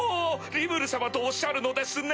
リムル様とおっしゃるのですね！